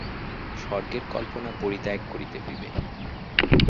স্বর্গের কল্পনা পরিত্যাগ করিতে হইবে।